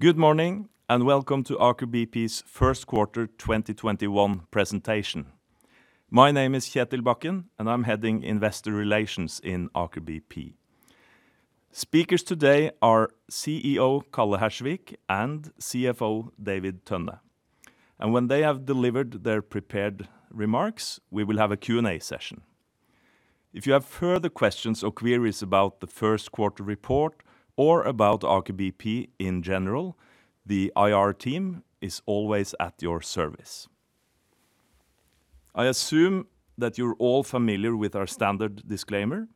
Good morning, and welcome to Aker BP's first quarter 2021 presentation. My name is Kjetil Bakken, and I'm heading investor relations in Aker BP. Speakers today are CEO, Karl Johnny Hersvik, and CFO, David Torvik Tønne. When they have delivered their prepared remarks, we will have a Q&A session. If you have further questions or queries about the first quarter report or about Aker BP in general, the IR team is always at your service. I assume that you're all familiar with our standard disclaimer,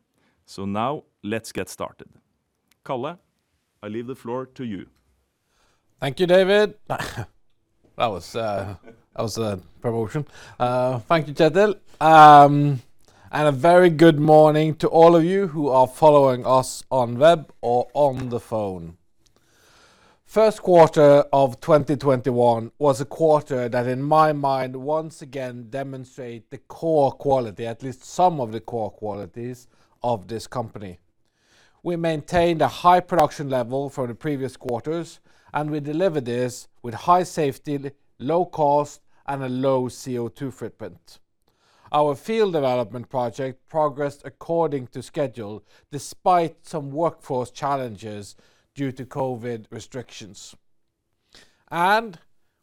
so now let's get started. Karl, I leave the floor to you. Thank you, David. That was a promotion. Thank you, Kjetil. A very good morning to all of you who are following us on web or on the phone. First quarter of 2021 was a quarter that, in my mind, once again demonstrate the core quality, at least some of the core qualities of this company. We maintained a high production level from the previous quarters, and we delivered this with high safety, low cost, and a low CO2 footprint. Our field development project progressed according to schedule despite some workforce challenges due to COVID restrictions.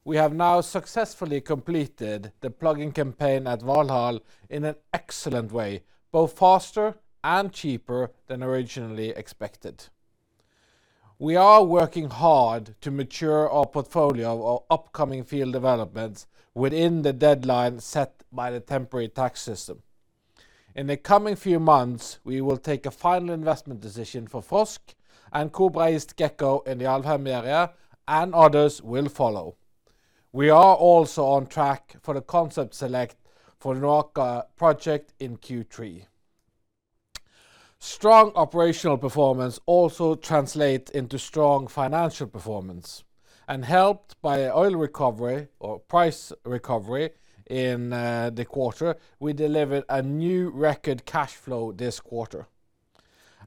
We have now successfully completed the plugin campaign at Valhall in an excellent way, both faster and cheaper than originally expected. We are working hard to mature our portfolio of upcoming field developments within the deadline set by the temporary tax system. In the coming few months, we will take a final investment decision for Froskelår and Kobra East & Gekko in the Alvheim area, and others will follow. We are also on track for the concept select for NOAKA project in Q3. Strong operational performance also translates into strong financial performance. Helped by oil recovery or price recovery in the quarter, we delivered a new record cash flow this quarter.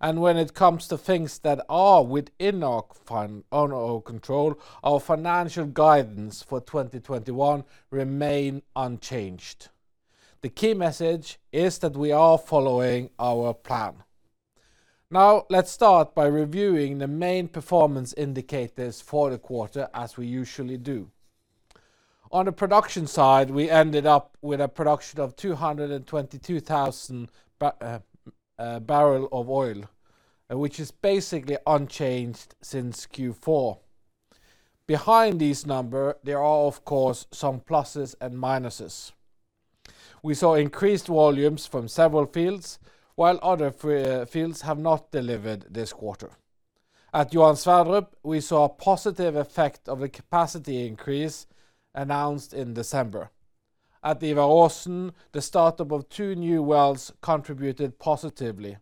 When it comes to things that are within our control, our financial guidance for 2021 remain unchanged. The key message is that we are following our plan. Now, let's start by reviewing the main performance indicators for the quarter as we usually do. On the production side, we ended up with a production of 222,000 barrel of oil, which is basically unchanged since Q4. Behind these number, there are, of course, some pluses and minuses. We saw increased volumes from several fields, while other fields have not delivered this quarter. At Johan Sverdrup, we saw a positive effect of the capacity increase announced in December. At Ivar Aasen, the startup of two new wells contributed positively,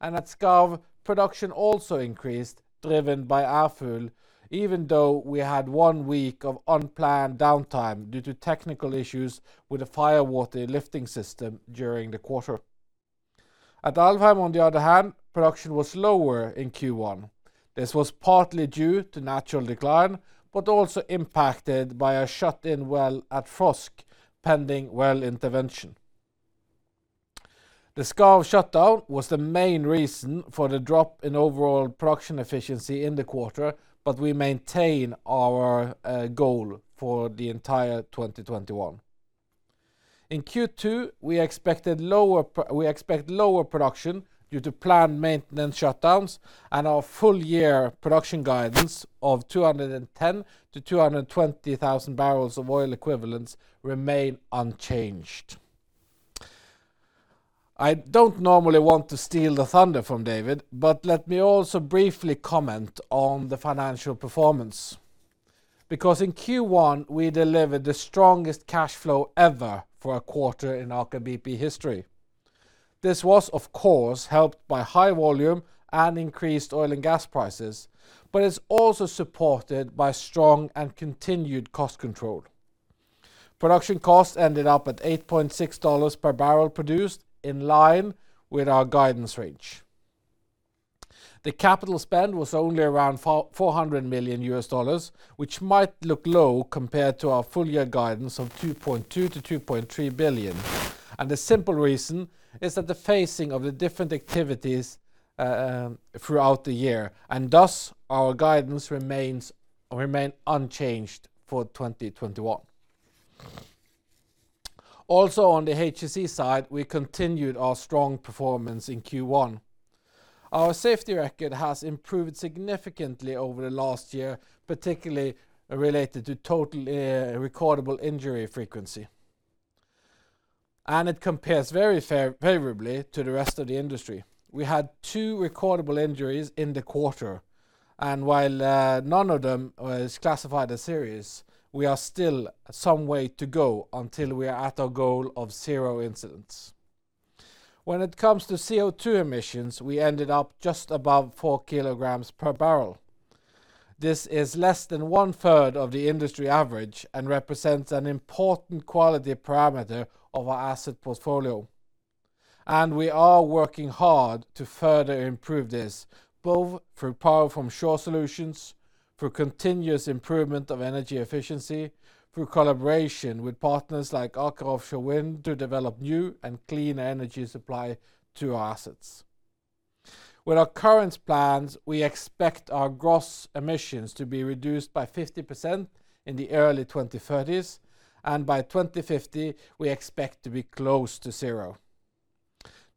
and at Skarv, production also increased driven by Ærfugl, even though we had one week of unplanned downtime due to technical issues with the fire water lifting system during the quarter. At Alvheim, on the other hand, production was lower in Q1. This was partly due to natural decline, but also impacted by a shut-in well at Froskelår pending well intervention. The Skarv shutdown was the main reason for the drop in overall production efficiency in the quarter, but we maintain our goal for the entire 2021. In Q2, we expect lower production due to planned maintenance shutdowns and our full-year production guidance of 210,000-220,000 barrels of oil equivalents remain unchanged. Let me also briefly comment on the financial performance. In Q1, we delivered the strongest cash flow ever for a quarter in Aker BP history. This was, of course, helped by high volume and increased oil and gas prices, but it's also supported by strong and continued cost control. Production costs ended up at $8.60 per barrel produced in line with our guidance range. The capital spend was only around NOK 400 million, which might look low compared to our full-year guidance of 2.2 billion-2.3 billion. The simple reason is that the phasing of the different activities throughout the year, and thus, our guidance remain unchanged for 2021. On the HSE side, we continued our strong performance in Q1. Our safety record has improved significantly over the last year, particularly related to total recordable injury frequency. It compares very favorably to the rest of the industry. We had two recordable injuries in the quarter, and while none of them was classified as serious, we are still some way to go until we are at our goal of zero incidents. When it comes to CO2 emissions, we ended up just above 4 kg per barrel. This is less than 1/3 of the industry average and represents an important quality parameter of our asset portfolio. We are working hard to further improve this, both through power from shore solutions, through continuous improvement of energy efficiency, through collaboration with partners like Aker Offshore Wind to develop new and clean energy supply to our assets. With our current plans, we expect our gross emissions to be reduced by 50% in the early 2030s, and by 2050, we expect to be close to zero.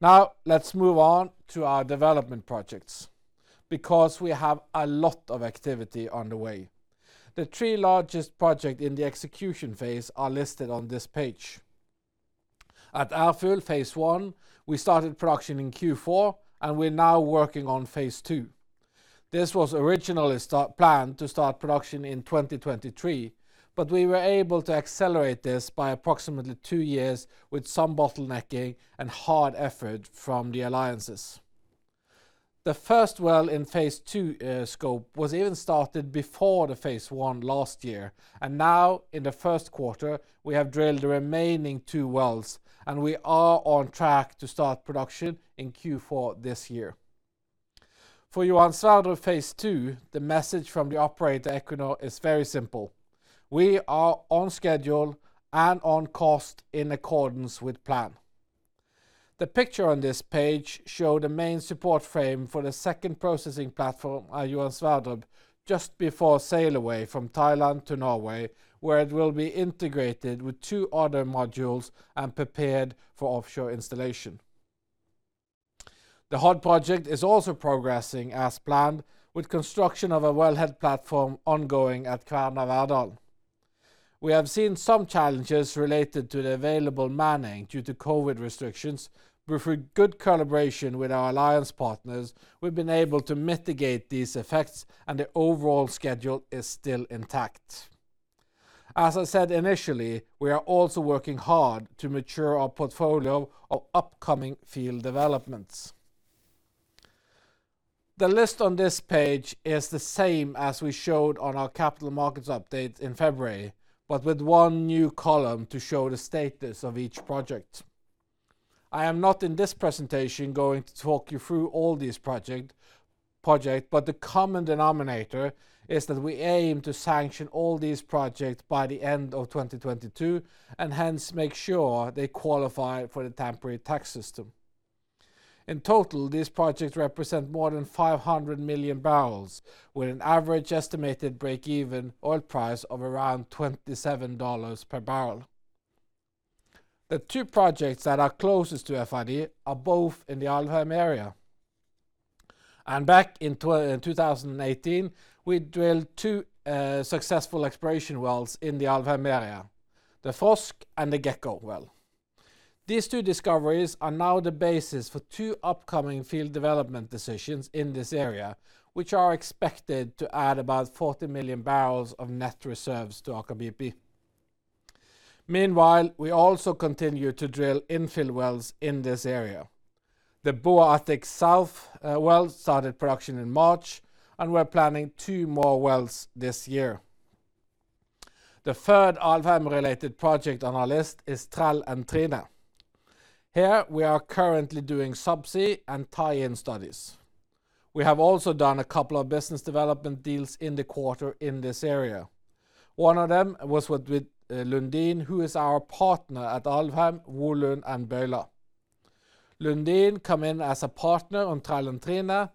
Let's move on to our development projects. We have a lot of activity on the way. The three largest project in the execution phase are listed on this page. At Alvheim phase I, we started production in Q4. We're now working on phase II. This was originally planned to start production in 2023. We were able to accelerate this by approximately two years with some bottlenecking and hard effort from the alliances. The first well in phase II scope was even started before the phase I last year. Now in the first quarter, we have drilled the remaining two wells. We are on track to start production in Q4 this year. For Johan Sverdrup phase II, the message from the operator, Equinor, is very simple. We are on schedule and on cost in accordance with plan. The picture on this page show the main support frame for the second processing platform at Johan Sverdrup just before sail away from Thailand to Norway, where it will be integrated with two other modules and prepared for offshore installation. The Hod project is also progressing as planned with construction of a wellhead platform ongoing at Kværner Verdal. We have seen some challenges related to the available manning due to COVID restrictions, but through good collaboration with our alliance partners, we've been able to mitigate these effects, and the overall schedule is still intact. As I said initially, we are also working hard to mature our portfolio of upcoming field developments. The list on this page is the same as we showed on our capital markets update in February, with one new column to show the status of each project. I am not in this presentation going to talk you through all these project, the common denominator is that we aim to sanction all these projects by the end of 2022, hence make sure they qualify for the temporary tax system. In total, these projects represent more than 500 million barrels, with an average estimated breakeven oil price of around $27 per barrel. The two projects that are closest to FID are both in the Alvheim area. Back in 2018, we drilled two successful exploration wells in the Alvheim area, the Froskelår and the Gekko well. These two discoveries are now the basis for two upcoming field development decisions in this area, which are expected to add about 40 million barrels of net reserves to Aker BP. Meanwhile, we also continue to drill infill wells in this area. The Boa Attic South well started production in March, and we're planning two more wells this year. The third Alvheim related project on our list is Trell and Trine. Here, we are currently doing subsea and tie-in studies. We have also done a couple of business development deals in the quarter in this area. One of them was with Lundin, who is our partner at Alvheim, Volund, and Bøyla. Lundin come in as a partner on Trell and Trine,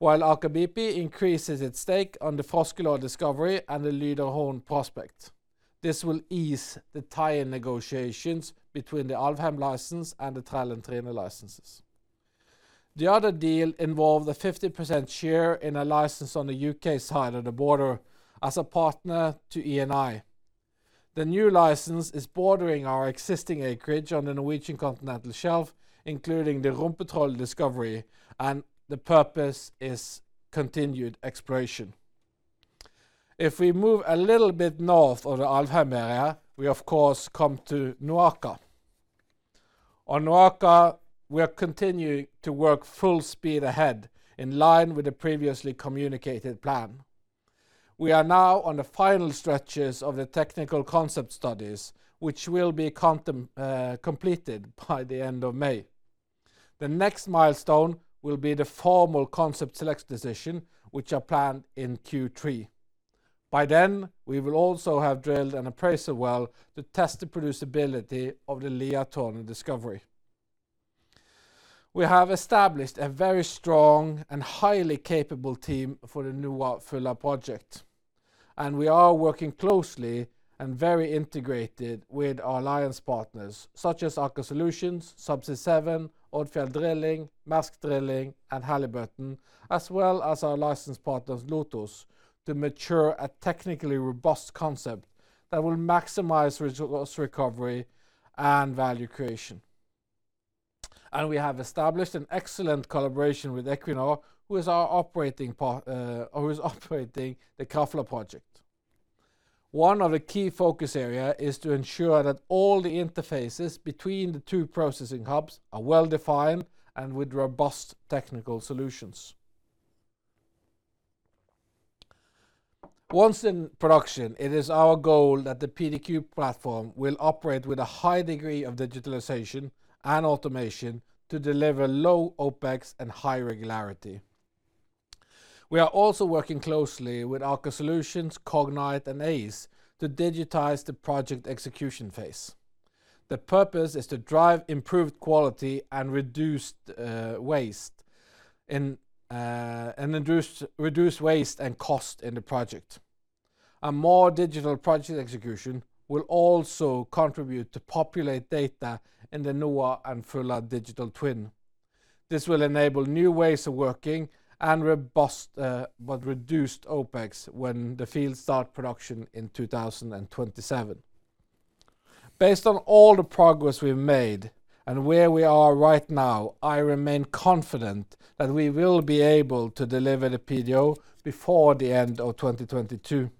while Aker BP increases its stake on the Froskelår discovery and the Lyderhorn prospect. This will ease the tie-in negotiations between the Alvheim license and the Trell and Trine licenses. The other deal involved a 50% share in a license on the U.K. side of the border as a partner to Eni. The new license is bordering our existing acreage on the Norwegian continental shelf, including the Rumpetroll discovery, and the purpose is continued exploration. If we move a little bit north of the Alvheim area, we of course come to NOAKA. On NOAKA, we are continuing to work full speed ahead in line with the previously communicated plan. We are now on the final stretches of the technical concept studies, which will be completed by the end of May. The next milestone will be the formal concept select decision, which are planned in Q3. By then, we will also have drilled an appraisal well to test the producibility of the Liatårnet discovery. We have established a very strong and highly capable team for the NOA Fulla project, and we are working closely and very integrated with our alliance partners such as Aker Solutions, Subsea 7, Odfjell Drilling, Maersk Drilling, and Halliburton, as well as our license partners, Lotos, to mature a technically robust concept that will maximize resource recovery and value creation. We have established an excellent collaboration with Equinor, who is operating the Krafla project. One of the key focus area is to ensure that all the interfaces between the two processing hubs are well defined and with robust technical solutions. Once in production, it is our goal that the PDQ platform will operate with a high degree of digitalization and automation to deliver low OPEX and high regularity. We are also working closely with Aker Solutions, Cognite, and Aize to digitize the project execution phase. The purpose is to drive improved quality and reduce waste and cost in the project. A more digital project execution will also contribute to populate data in the NOA and Fulla digital twin. This will enable new ways of working and robust but reduced OPEX when the field start production in 2027. Based on all the progress we've made and where we are right now, I remain confident that we will be able to deliver the PDO before the end of 2022.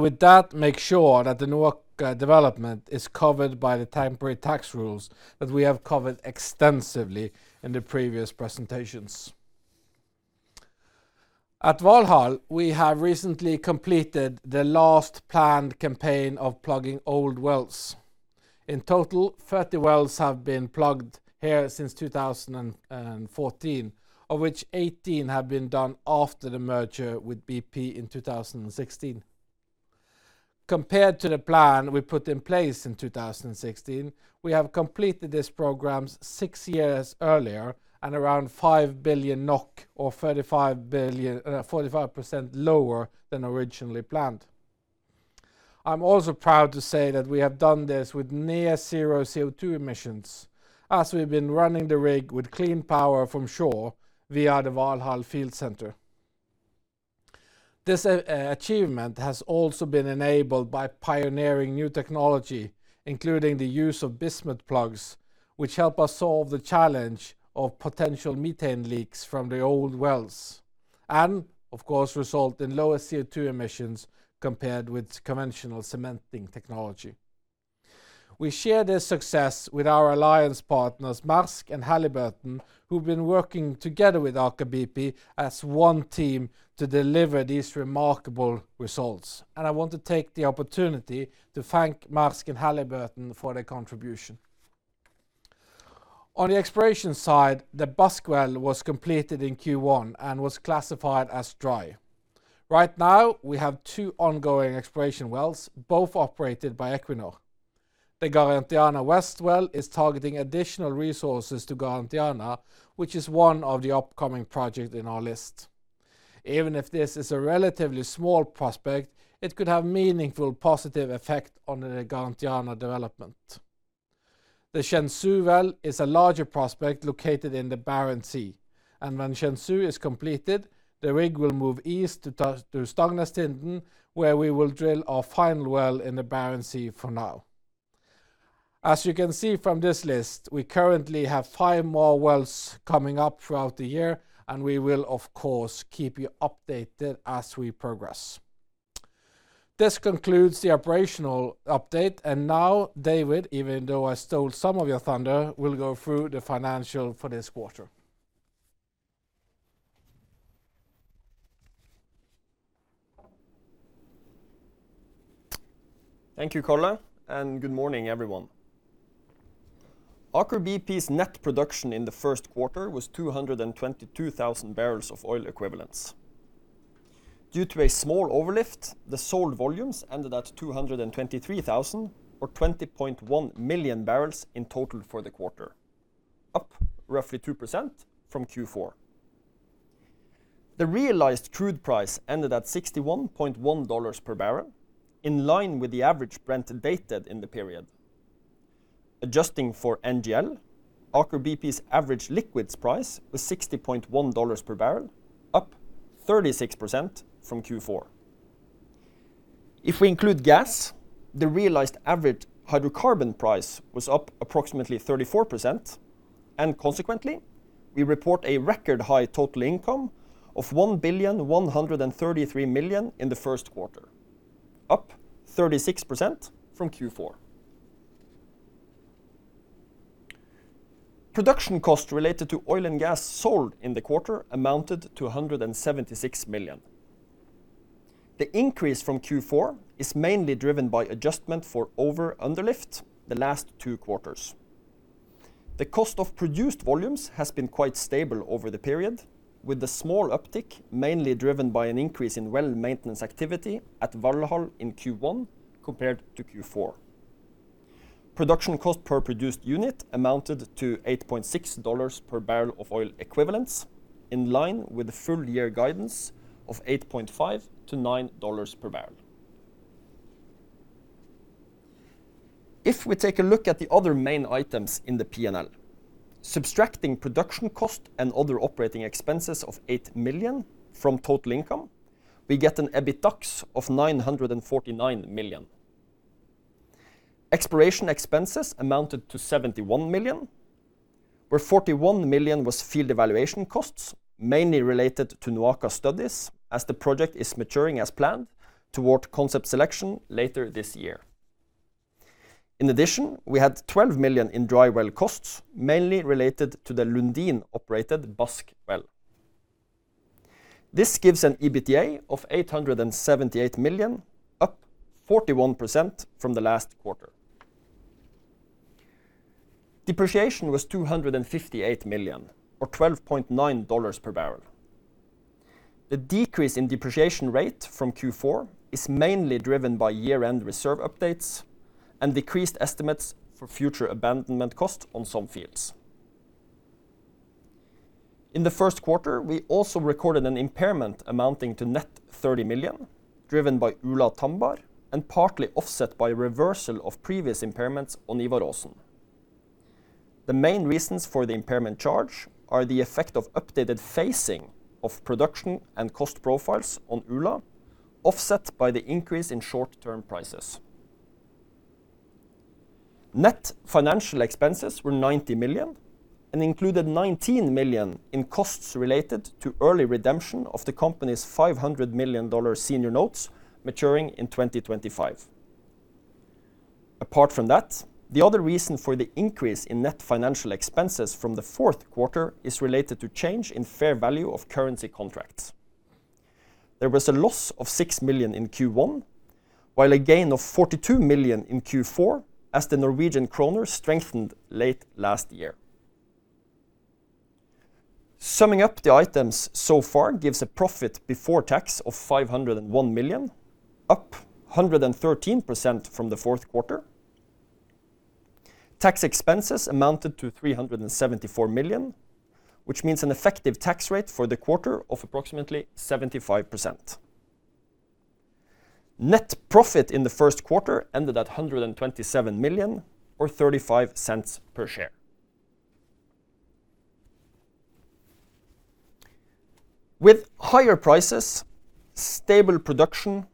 With that, make sure that the NOA development is covered by the temporary tax rules that we have covered extensively in the previous presentations. At Valhall, we have recently completed the last planned campaign of plugging old wells. In total, 30 wells have been plugged here since 2014, of which 18 have been done after the merger with BP in 2016. Compared to the plan we put in place in 2016, we have completed this program six years earlier and around 5 billion NOK, or 45% lower than originally planned. I'm also proud to say that we have done this with near zero CO2 emissions, as we've been running the rig with clean power from shore via the Valhall Field Center. This achievement has also been enabled by pioneering new technology, including the use of bismuth plugs, which help us solve the challenge of potential methane leaks from the old wells, of course, result in lower CO2 emissions compared with conventional cementing technology. We share this success with our alliance partners, Maersk and Halliburton, who've been working together with Aker BP as one team to deliver these remarkable results. I want to take the opportunity to thank Maersk and Halliburton for their contribution. On the exploration side, the Bask well was completed in Q1 and was classified as dry. Right now, we have two ongoing exploration wells, both operated by Equinor. The Garantiana West well is targeting additional resources to Garantiana, which is one of the upcoming project in our list. Even if this is a relatively small prospect, it could have meaningful positive effect on the Garantiana development. The Kenshu well is a larger prospect located in the Barents Sea, and when Kenshu is completed, the rig will move east to Stangnestind, where we will drill our final well in the Barents Sea for now. As you can see from this list, we currently have five more wells coming up throughout the year, and we will, of course, keep you updated as we progress. This concludes the operational update. Now, David, even though I stole some of your thunder, will go through the financial for this quarter. Thank you, Karl, good morning, everyone. Aker BP's net production in the first quarter was 222,000 barrels of oil equivalents. Due to a small overlift, the sold volumes ended at 223,000 or 20.1 million barrels in total for the quarter, up roughly 2% from Q4. The realized crude price ended at $61.1 per barrel, in line with the average Brent dated in the period. Adjusting for NGL, Aker BP's average liquids price was $60.1 per barrel, up 36% from Q4. If we include gas, the realized average hydrocarbon price was up approximately 34%, consequently, we report a record high total income of $1,133,000,000 in the first quarter, up 36% from Q4. Production cost related to oil and gas sold in the quarter amounted to $176 million. The increase from Q4 is mainly driven by adjustment for over/underlift the last two quarters. The cost of produced volumes has been quite stable over the period, with the small uptick mainly driven by an increase in well maintenance activity at Valhall in Q1 compared to Q4. Production cost per produced unit amounted to $8.6 per barrel of oil equivalents, in line with the full year guidance of $8.5-$9 per barrel. If we take a look at the other main items in the P&L, subtracting production cost and other operating expenses of 8 million from total income, we get an EBITDAX of 949 million. Exploration expenses amounted to 71 million, where 41 million was field evaluation costs, mainly related to NOAKA studies as the project is maturing as planned toward concept selection later this year. In addition, we had 12 million in dry well costs, mainly related to the Lundin-operated Bask well. This gives an EBITDA of 878 million, up 41% from the last quarter. Depreciation was 258 million or $12.9 per barrel. The decrease in depreciation rate from Q4 is mainly driven by year-end reserve updates and decreased estimates for future abandonment cost on some fields. In the first quarter, we also recorded an impairment amounting to net 30 million, driven by Ula-Tambar and partly offset by reversal of previous impairments on Ivar Aasen. The main reasons for the impairment charge are the effect of updated phasing of production and cost profiles on Ula offset by the increase in short-term prices. Net financial expenses were 90 million and included 19 million in costs related to early redemption of the company's $500 million senior notes maturing in 2025. Apart from that, the other reason for the increase in net financial expenses from the fourth quarter is related to change in fair value of currency contracts. There was a loss of 6 million in Q1 while a gain of 42 million in Q4 as the Norwegian kroner strengthened late last year. Summing up the items so far gives a profit before tax of 501 million, up 113% from the fourth quarter. Tax expenses amounted to 374 million, which means an effective tax rate for the quarter of approximately 75%. Net profit in the first quarter ended at 127 million or 0.35 per share. With higher prices, stable production,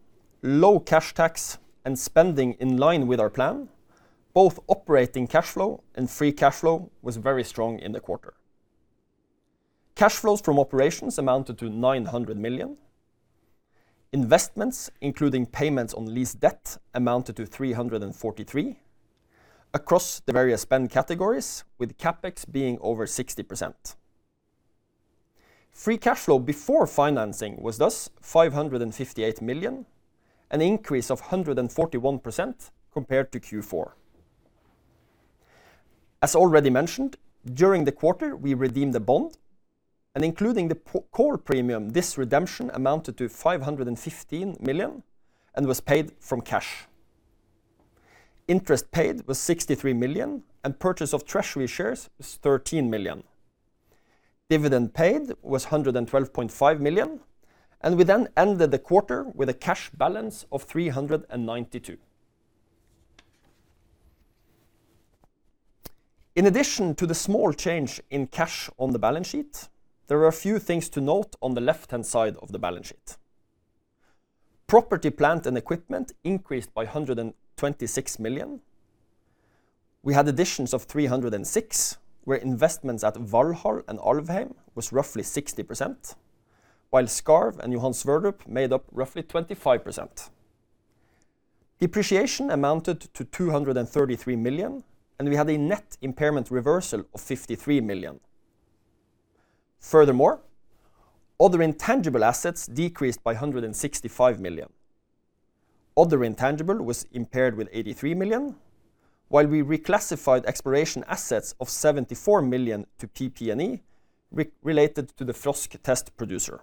low cash tax, and spending in line with our plan, both operating cash flow and free cash flow was very strong in the quarter. Cash flows from operations amounted to 900 million. Investments, including payments on lease debt, amounted to 343 across the various spend categories, with CapEx being over 60%. Free cash flow before financing was thus 558 million, an increase of 141% compared to Q4. As already mentioned, during the quarter, we redeemed the bond and including the call premium, this redemption amounted to 515 million and was paid from cash. Interest paid was 63 million and purchase of treasury shares was 13 million. Dividend paid was 112.5 million and we then ended the quarter with a cash balance of 392. In addition to the small change in cash on the balance sheet, there are a few things to note on the left-hand side of the balance sheet. Property, plant, and equipment increased by 126 million. We had additions of 306 where investments at Valhall and Alvheim was roughly 60%, while Skarv and Johan Sverdrup made up roughly 25%. Depreciation amounted to 233 million, and we had a net impairment reversal of 53 million. Furthermore, other intangible assets decreased by 165 million. Other intangible was impaired with 83 million while we reclassified exploration assets of 74 million to PP&E related to the Frosk test producer.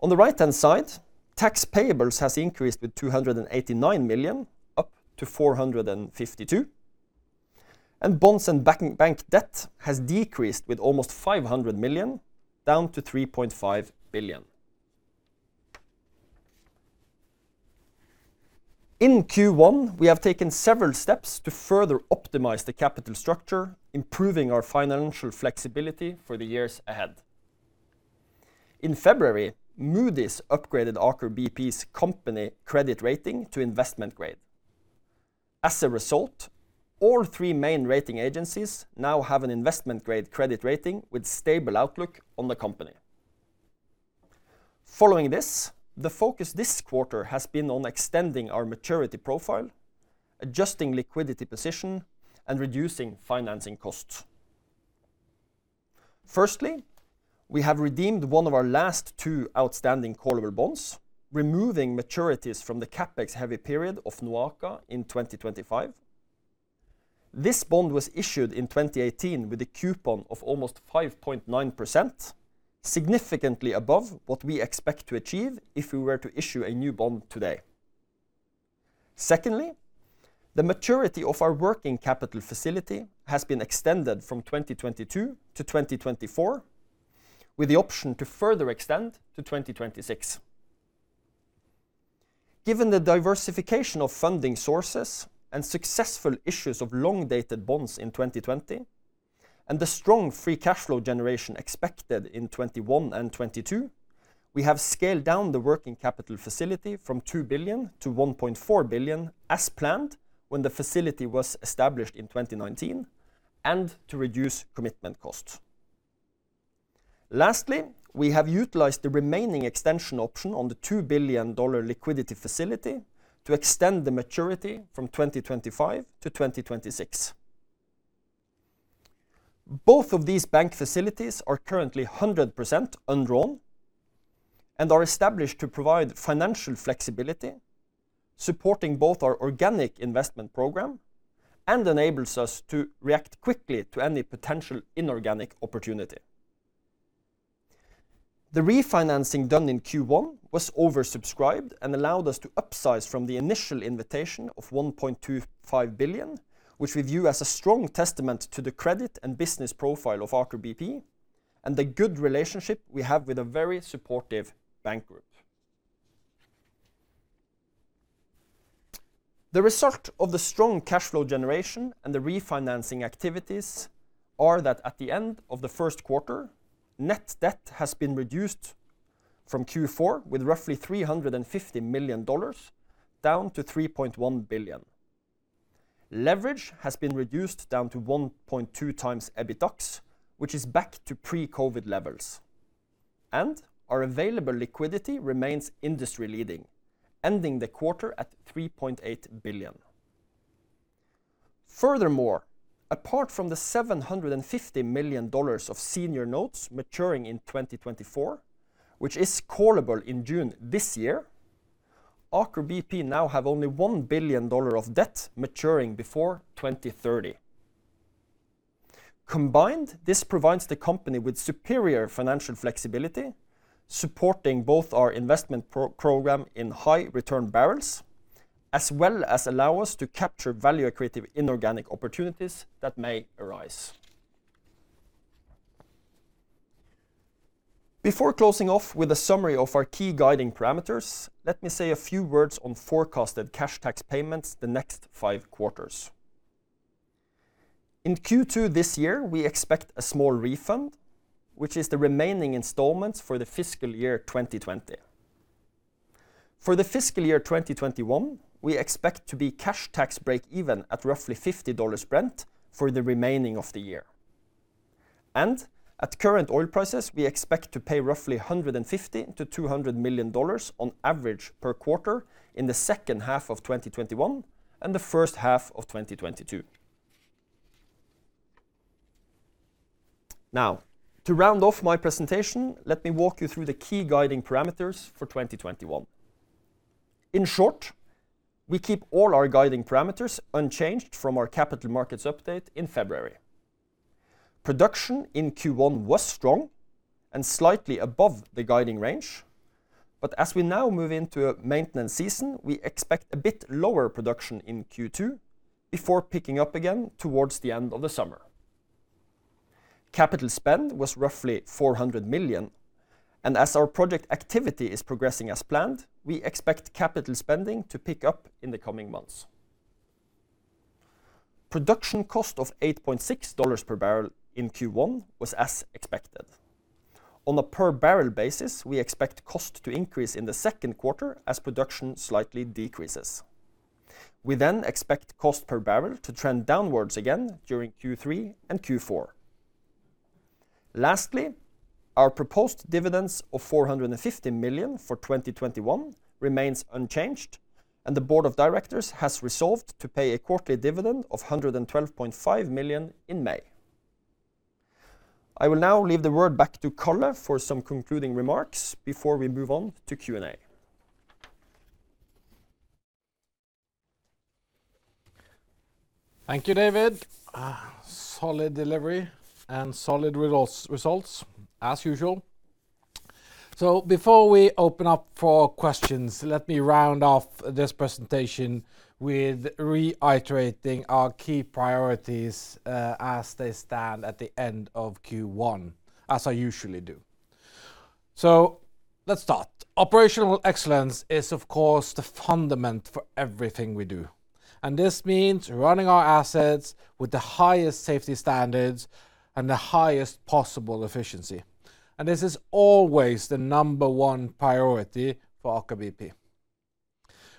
On the right-hand side, tax payables has increased with 289 million up to 452 million, and bonds and bank debt has decreased with almost 500 million down to 3.5 billion. In Q1, we have taken several steps to further optimize the capital structure, improving our financial flexibility for the years ahead. In February, Moody's upgraded Aker BP's company credit rating to investment grade. As a result, all three main rating agencies now have an investment-grade credit rating with stable outlook on the company. Following this, the focus this quarter has been on extending our maturity profile, adjusting liquidity position, and reducing financing costs. Firstly, we have redeemed one of our last two outstanding callable bonds, removing maturities from the CapEx-heavy period of NOAKA in 2025. This bond was issued in 2018 with a coupon of almost 5.9%, significantly above what we expect to achieve if we were to issue a new bond today. Secondly, the maturity of our working capital facility has been extended from 2022-2024 with the option to further extend to 2026. Given the diversification of funding sources and successful issues of long-dated bonds in 2020 and the strong free cash flow generation expected in 2021 and 2022, we have scaled down the working capital facility from 2 billion-1.4 billion as planned when the facility was established in 2019 and to reduce commitment costs. Lastly, we have utilized the remaining extension option on the NOK 2 billion liquidity facility to extend the maturity from 2025-2026. Both of these bank facilities are currently 100% undrawn and are established to provide financial flexibility, supporting both our organic investment program and enables us to react quickly to any potential inorganic opportunity. The refinancing done in Q1 was oversubscribed and allowed us to upsize from the initial invitation of 1.25 billion, which we view as a strong testament to the credit and business profile of Aker BP and the good relationship we have with a very supportive bank group. The result of the strong cash flow generation and the refinancing activities are that at the end of the first quarter, net debt has been reduced from Q4 with roughly NOK 350 million down to 3.1 billion. Leverage has been reduced down to 1.2x EBITDAX, which is back to pre-COVID levels. Our available liquidity remains industry-leading, ending the quarter at 3.8 billion. Furthermore, apart from the $750 million of senior notes maturing in 2024, which is callable in June this year, Aker BP now have only $1 billion of debt maturing before 2030. Combined, this provides the company with superior financial flexibility, supporting both our investment program in high return barrels, as well as allow us to capture value-accretive inorganic opportunities that may arise. Before closing off with a summary of our key guiding parameters, let me say a few words on forecasted cash tax payments the next five quarters. In Q2 this year, we expect a small refund, which is the remaining installments for the fiscal year 2020. For the fiscal year 2021, we expect to be cash tax break-even at roughly $50 Brent for the remaining of the year. At current oil prices, we expect to pay roughly NOK 150 million-NOK 200 million on average per quarter in the H2 of 2021 and the H1 of 2022. Now, to round off my presentation, let me walk you through the key guiding parameters for 2021. In short, we keep all our guiding parameters unchanged from our capital markets update in February. Production in Q1 was strong and slightly above the guiding range. As we now move into a maintenance season, we expect a bit lower production in Q2 before picking up again towards the end of the summer. Capital spend was roughly 400 million, and as our project activity is progressing as planned, we expect capital spending to pick up in the coming months. Production cost of $8.60 per barrel in Q1 was as expected. On a per barrel basis, we expect cost to increase in the second quarter as production slightly decreases. We expect cost per barrel to trend downwards again during Q3 and Q4. Lastly, our proposed dividends of $450 million for 2021 remains unchanged, and the board of directors has resolved to pay a quarterly dividend of $112.5 million in May. I will now leave the word back to Karl for some concluding remarks before we move on to Q&A. Thank you, David. Solid delivery and solid results, as usual. Before we open up for questions, let me round off this presentation with reiterating our key priorities as they stand at the end of Q1, as I usually do. Let's start. Operational excellence is, of course, the fundament for everything we do. This means running our assets with the highest safety standards and the highest possible efficiency. This is always the number one priority for Aker BP.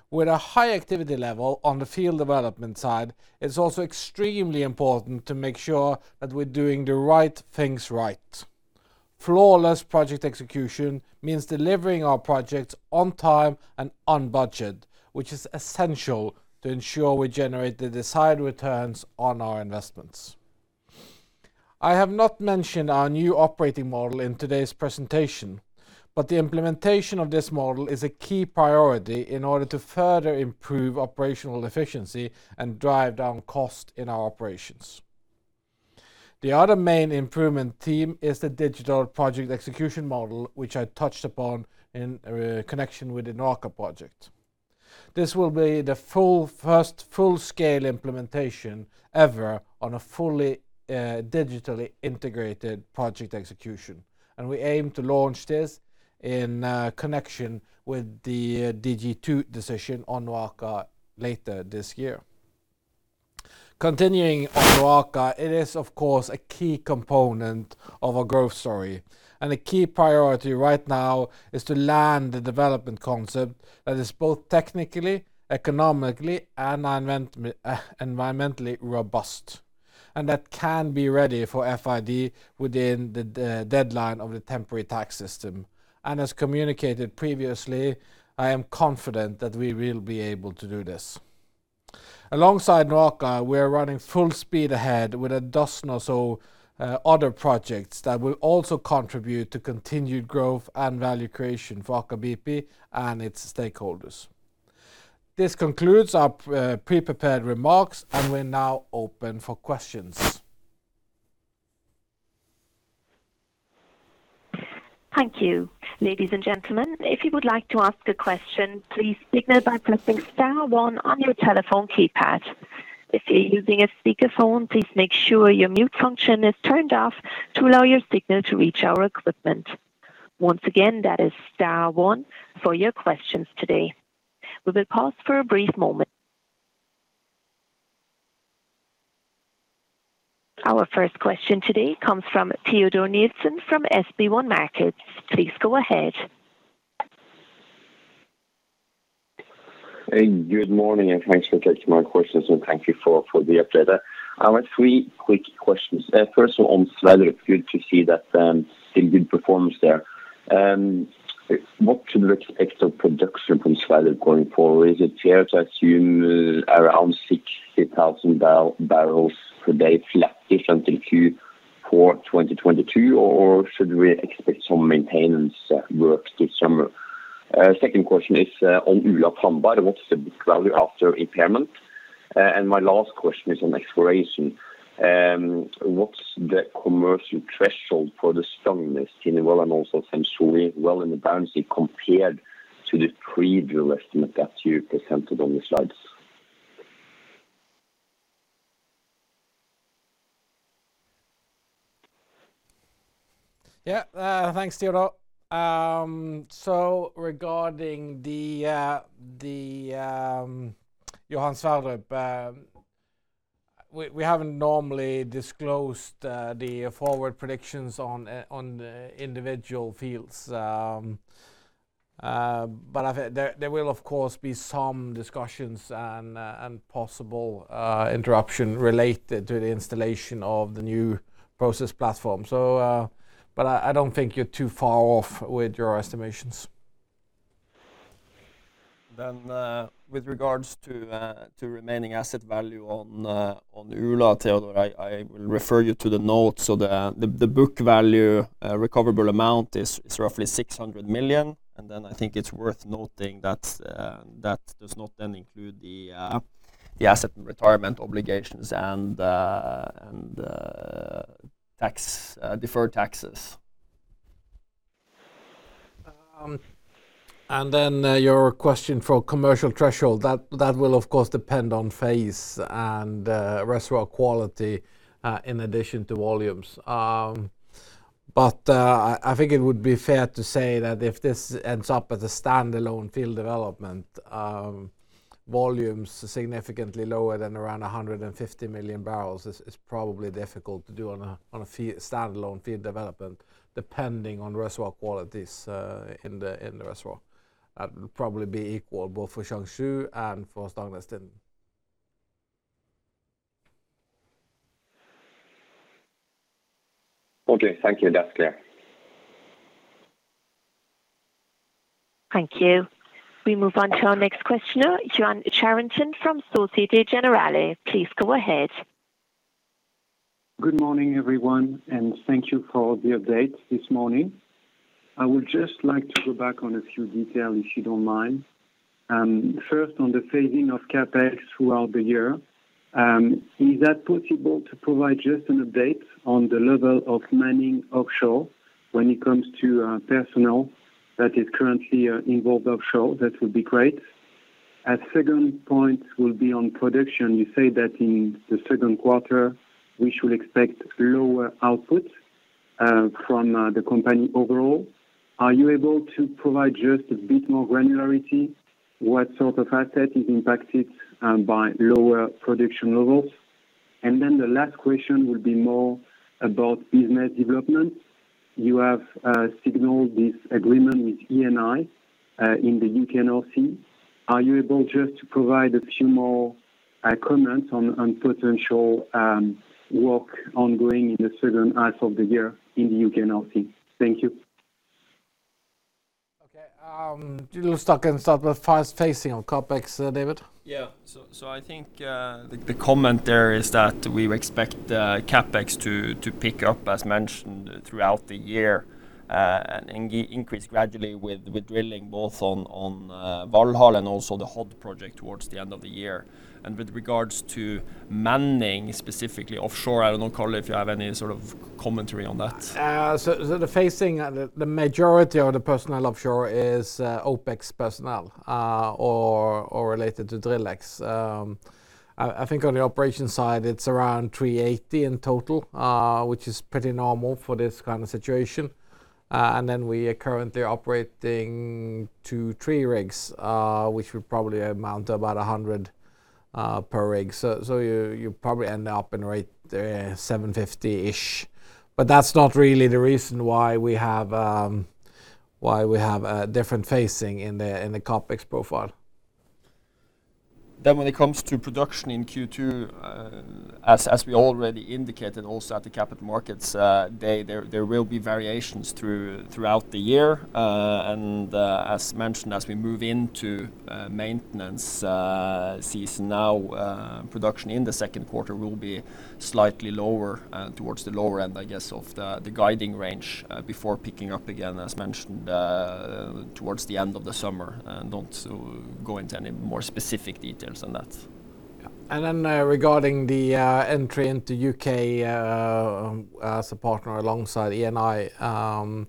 With a high activity level on the field development side, it's also extremely important to make sure that we're doing the right things right. Flawless project execution means delivering our projects on time and on budget, which is essential to ensure we generate the desired returns on our investments. I have not mentioned our new operating model in today's presentation, but the implementation of this model is a key priority in order to further improve operational efficiency and drive down cost in our operations. The other main improvement theme is the digital project execution model, which I touched upon in connection with the NOAKA project. This will be the first full-scale implementation ever on a fully digitally integrated project execution. We aim to launch this in connection with the DG II decision on NOAKA later this year. Continuing on NOAKA, it is of course a key component of our growth story, and a key priority right now is to land the development concept that is both technically, economically, and environmentally robust. That can be ready for FID within the deadline of the temporary tax system. As communicated previously, I am confident that we will be able to do this. Alongside NOAKA, we are running full speed ahead with a dozen or so other projects that will also contribute to continued growth and value creation for Aker BP and its stakeholders. This concludes our pre-prepared remarks and we're now open for questions. Thank you. Ladies and gentlemen, if you would like to ask a question please start by pressing star one on your telephone keypad. If you are using a speaker phone please make sure your mute function is turned off to lower your speaker to reach your question. Once again that's is star one for your question today. We would pause for a brief moment. Our first question today comes from Teodor Sveen-Nilsen from SB1 Markets. Please go ahead. Hey, good morning, and thanks for taking my questions, and thank you for the update. I have three quick questions. First of all, on Sverdrup, good to see that seeing good performance there. What should we expect of production from Sverdrup going forward? Is it fair to assume around 60,000 barrels per day, flat-ish until Q4 2022? Should we expect some maintenance works this summer? Second question is on Ula-Tambar. What's the book value after impairment? My last question is on exploration. What's the commercial threshold for the Stangnestind and also Kenshu well in the Barents compared to the pre-drill estimate that you presented on the slides? Thanks, Teodor. Regarding the Johan Sverdrup, we haven't normally disclosed the forward predictions on the individual fields. There will of course, be some discussions and possible interruption related to the installation of the new process platform. I don't think you're too far off with your estimations. With regards to remaining asset value on Ula, Teodor, I will refer you to the notes. The book value recoverable amount is roughly 600 million. I think it's worth noting that does not then include the asset retirement obligations and deferred taxes. Your question for commercial threshold, that will of course depend on phase and reservoir quality in addition to volumes. I think it would be fair to say that if this ends up as a standalone field development, volumes significantly lower than around 150 million barrels is probably difficult to do on a standalone field development, depending on reservoir qualities in the reservoir. That would probably be equal both for Kensui and for Stangnestind. Okay. Thank you. That's clear. Thank you. We move on to our next questioner, Yoann Charenton from Société Générale. Please go ahead. Good morning, everyone. Thank you for the update this morning. I would just like to go back on a few detail, if you don't mind. First, on the phasing of CapEx throughout the year, is that possible to provide just an update on the level of manning offshore when it comes to personnel that is currently involved offshore? That would be great. A second point will be on production. You say that in the second quarter, we should expect lower output from the company overall. Are you able to provide just a bit more granularity, what sort of asset is impacted by lower production levels? The last question will be more about business development. You have signaled this agreement with Eni in the U.K. North Sea. Are you able just to provide a few more comments on potential work ongoing in the H2 of the year in the U.K. North Sea? Thank you. Okay. Do you want to start with fast phasing of CapEx, David? Yeah. I think the comment there is that we expect CapEx to pick up as mentioned throughout the year and increase gradually with drilling both on Valhall and also the Hod project towards the end of the year. With regards to manning specifically offshore, I don't know, Karl, if you have any sort of commentary on that. The phasing, the majority of the personnel offshore is OPEX personnel or related to drillex. I think on the operation side it's around 380 in total, which is pretty normal for this kind of situation. We are currently operating two-three rigs which would probably amount to about 100 per rig. You probably end up in right 750-ish. That's not really the reason why we have a different phasing in the CapEx profile. When it comes to production in Q2, as we already indicated also at the capital markets, there will be variations throughout the year. As mentioned, as we move into maintenance season now, production in the second quarter will be slightly towards the lower end of the guiding range before picking up again, as mentioned towards the end of the summer. I don't go into any more specific details on that. Yeah. Then regarding the entry into U.K. as a partner alongside Eni.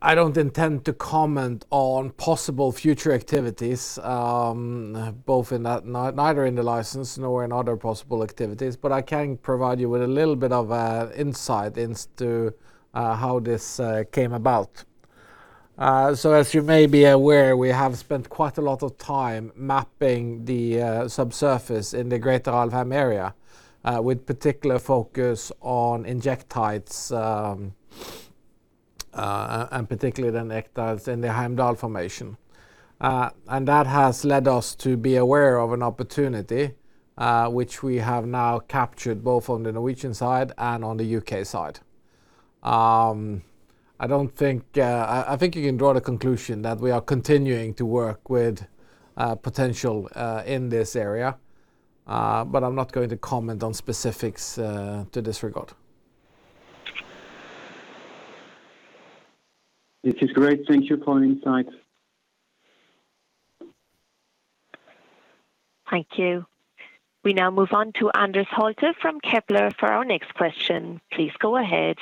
I don't intend to comment on possible future activities, neither in the license nor in other possible activities, but I can provide you with a little bit of insight into how this came about. As you may be aware, we have spent quite a lot of time mapping the subsurface in the greater Alvheim area, with particular focus on injectites, and particularly the injectites in the Heimdal Formation. That has led us to be aware of an opportunity, which we have now captured both on the Norwegian side and on the U.K. side. I think you can draw the conclusion that we are continuing to work with potential in this area. I'm not going to comment on specifics to this regard. This is great. Thank you for the insight. Thank you. We now move on to Anders Holte from Kepler for our next question. Please go ahead.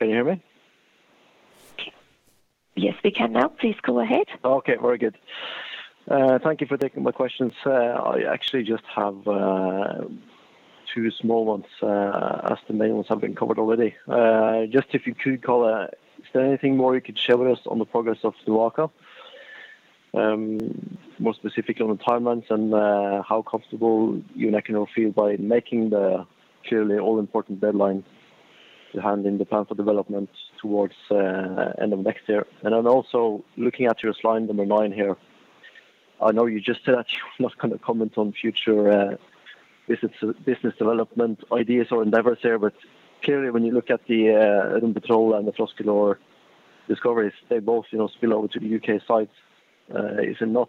Can you hear me? Yes, we can now. Please go ahead. Okay, very good. Thank you for taking my questions. I actually just have two small ones as the main ones have been covered already. Just if you could, Karl, is there anything more you could share with us on the progress of NOAKA? More specifically on the timelines and how comfortable you and Equinor feel by making the clearly all-important deadline to hand in the plan for development towards end of next year. Also looking at your slide number nine here. I know you just said that you're not going to comment on future business development ideas or endeavors here, clearly when you look at the Rumpetroll and the Froskelar discoveries, they both spill over to the U.K. sites. Is it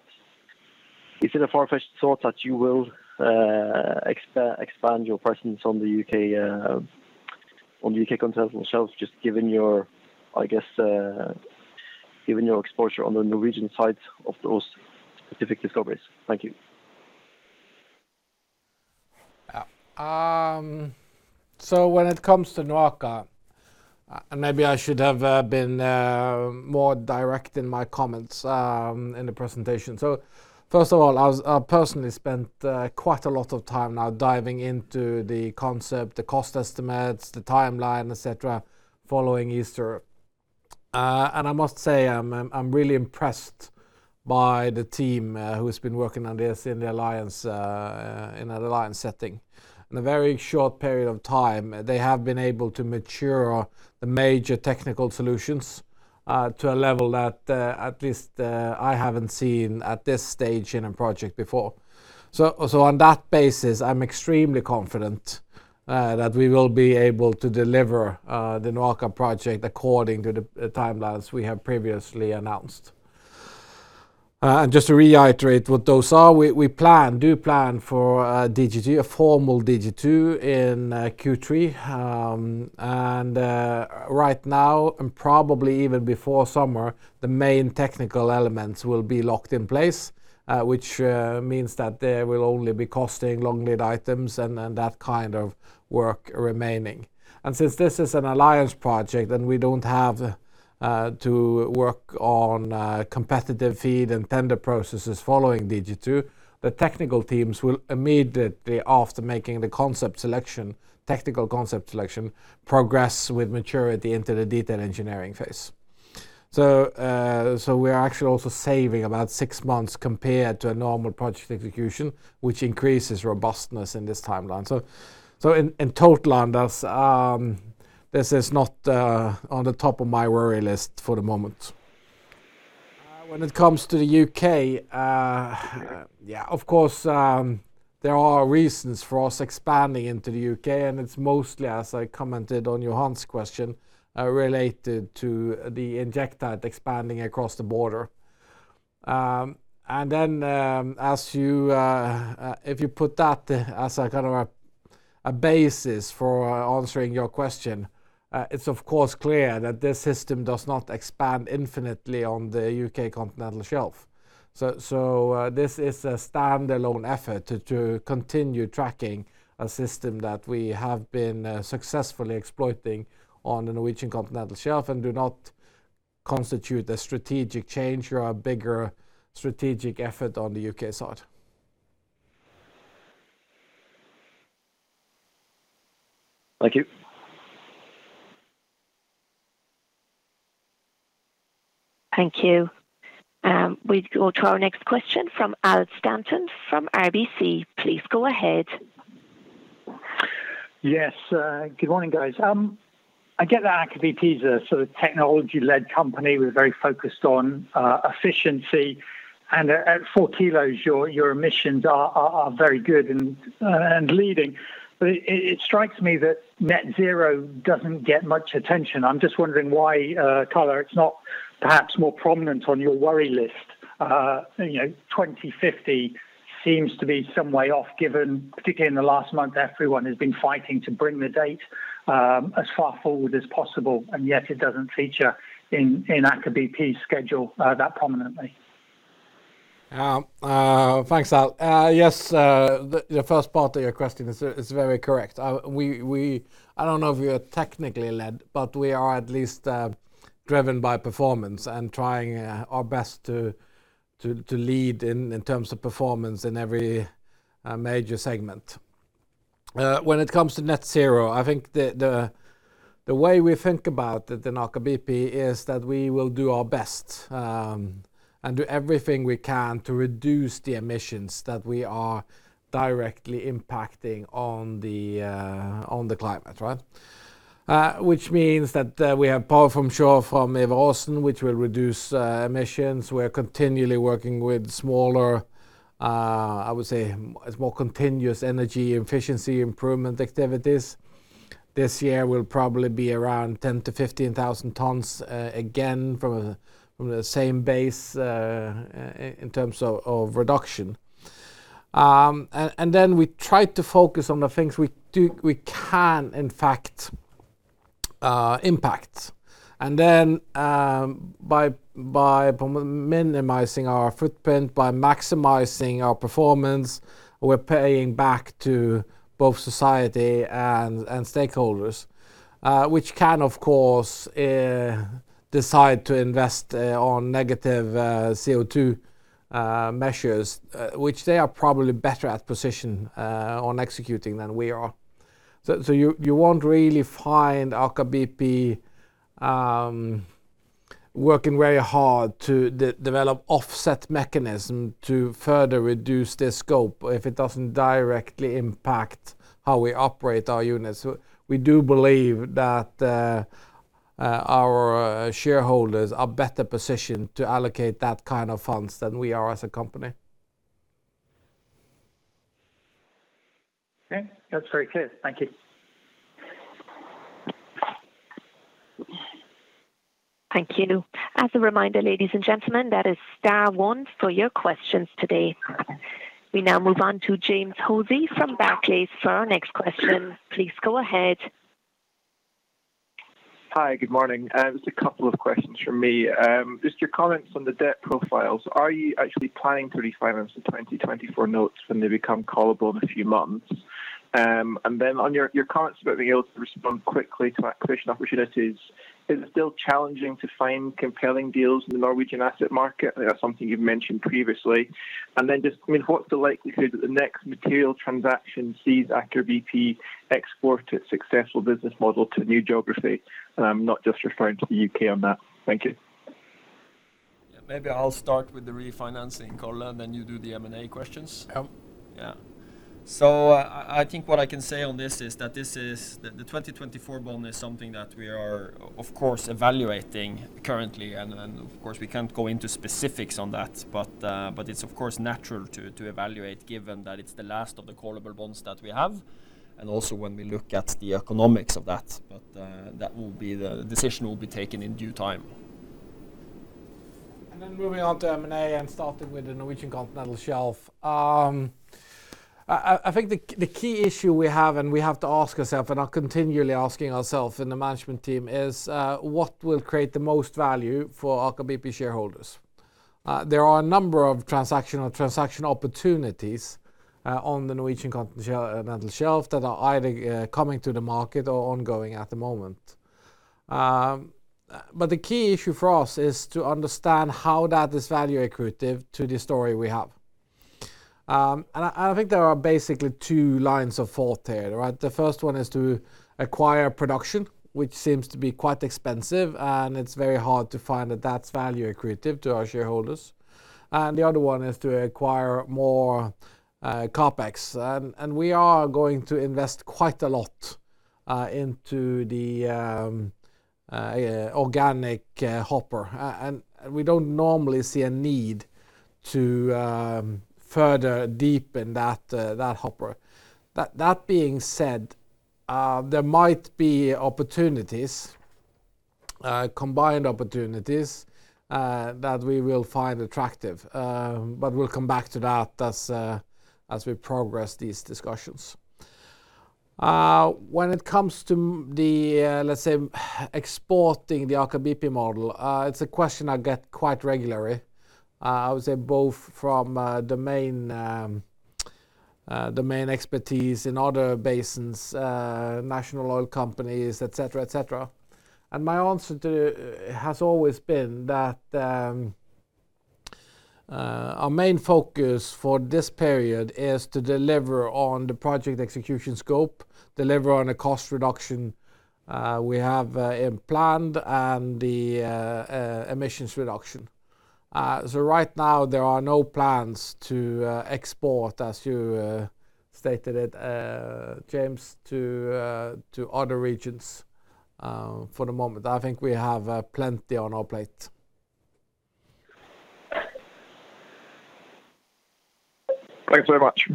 a far-fetched thought that you will expand your presence on the U.K. continental shelf, just given your exposure on the Norwegian side of those specific discoveries? Thank you. When it comes to NOAKA, maybe I should have been more direct in my comments in the presentation. First of all, I've personally spent quite a lot of time now diving into the concept, the cost estimates, the timeline, et cetera, following Easter. I must say, I'm really impressed by the team who has been working on this in the alliance setting. In a very short period of time, they have been able to mature the major technical solutions to a level that at least I haven't seen at this stage in a project before. On that basis, I'm extremely confident that we will be able to deliver the NOAKA project according to the timelines we have previously announced. Just to reiterate what those are, we do plan for a formal DG2 in Q3. Right now, and probably even before summer, the main technical elements will be locked in place, which means that there will only be costing long lead items and that kind of work remaining. Since this is an alliance project, and we don't have to work on competitive feed and tender processes following DG2, the technical teams will immediately, after making the technical concept selection, progress with maturity into the detailed engineering phase. We are actually also saving about six months compared to a normal project execution, which increases robustness in this timeline. In total, Anders, this is not on the top of my worry list for the moment. When it comes to the U.K., of course, there are reasons for us expanding into the U.K., and it's mostly, as I commented on Yoann's question, related to the injectite expanding across the border. If you put that as a kind of a basis for answering your question, it is of course clear that this system does not expand infinitely on the U.K. continental shelf. This is a standalone effort to continue tracking a system that we have been successfully exploiting on the Norwegian continental shelf and do not constitute a strategic change or a bigger strategic effort on the U.K. side. Thank you. Thank you. We go to our next question from Al Stanton from RBC. Please go ahead. Yes. Good morning, guys. I get that Aker BP is a sort of technology-led company. We're very focused on efficiency and at four kilos, your emissions are very good and leading. It strikes me that net zero doesn't get much attention. I'm just wondering why, Karl, it's not perhaps more prominent on your worry list. 2050 seems to be some way off given, particularly in the last month, everyone has been fighting to bring the date as far forward as possible, yet it doesn't feature in Aker BP schedule that prominently. Thanks, Al. The first part of your question is very correct. I don't know if we are technically led, but we are at least driven by performance and trying our best to lead in terms of performance in every major segment. When it comes to net zero, I think the way we think about it in Aker BP is that we will do our best and do everything we can to reduce the emissions that we are directly impacting on the climate, right? Which means that we have power from shore from Aker Offshore Wind, which will reduce emissions. We're continually working with smaller, I would say, it's more continuous energy efficiency improvement activities. This year will probably be around 10,000-15,000 tons, again, from the same base in terms of reduction. Then we try to focus on the things we can in fact impact. By minimizing our footprint, by maximizing our performance, we're paying back to both society and stakeholders, which can, of course, decide to invest on negative CO2 measures, which they are probably better at position on executing than we are. You won't really find Aker BP working very hard to develop offset mechanism to further reduce this scope if it doesn't directly impact how we operate our units. We do believe that our shareholders are better positioned to allocate that kind of funds than we are as a company. Okay. That's very clear. Thank you. Thank you. As a reminder, ladies and gentlemen, that is star one for your questions today. We now move on to James Hosie from Barclays for our next question. Please go ahead. Hi. Good morning. Just a couple of questions from me. Your comments on the debt profiles. Are you actually planning to refinance the 2024 notes when they become callable in a few months? On your comments about being able to respond quickly to acquisition opportunities, is it still challenging to find compelling deals in the Norwegian asset market? That's something you've mentioned previously. What's the likelihood that the next material transaction sees Aker BP export its successful business model to a new geography? I'm not just referring to the U.K. on that. Thank you. Maybe I'll start with the refinancing call, and then you do the M&A questions. Yeah. I think what I can say on this is that the 2024 bond is something that we are of course evaluating currently, and then, of course, we can't go into specifics on that, but it's of course natural to evaluate given that it's the last of the callable bonds that we have, and also when we look at the economics of that. The decision will be taken in due time. Moving on to M&A and starting with the Norwegian Continental Shelf. I think the key issue we have, and we have to ask ourselves, and are continually asking ourselves in the management team is, what will create the most value for Aker BP shareholders? There are a number of transaction opportunities on the Norwegian Continental Shelf that are either coming to the market or ongoing at the moment. The key issue for us is to understand how that is value accretive to the story we have. I think there are basically two lines of thought there, right? The first one is to acquire production, which seems to be quite expensive, and it's very hard to find that that's value accretive to our shareholders. The other one is to acquire more CapEx. We are going to invest quite a lot into the organic hopper. We don't normally see a need to further deepen that hopper. That being said, there might be combined opportunities that we will find attractive. We'll come back to that as we progress these discussions. When it comes to, let's say, exporting the Aker BP model, it's a question I get quite regularly. I would say both from domain expertise in other basins, national oil companies, et cetera. My answer has always been that our main focus for this period is to deliver on the project execution scope, deliver on the cost reduction we have planned, and the emissions reduction. Right now there are no plans to export, as you stated it, James, to other regions for the moment. I think we have plenty on our plate. Thanks very much.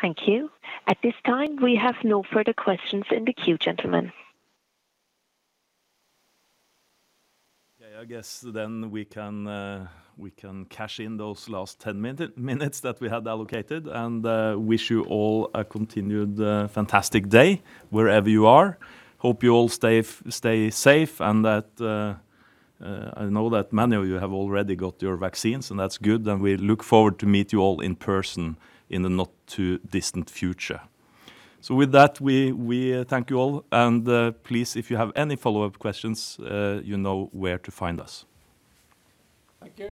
Thank you. At this time, we have no further questions in the queue, gentlemen. I guess then we can cash in those last 10 minutes that we had allocated, and wish you all a continued fantastic day wherever you are. Hope you all stay safe and that I know that many of you have already got your vaccines, and that's good, and we look forward to meet you all in person in the not too distant future. With that, we thank you all, and please, if you have any follow-up questions, you know where to find us. Thank you.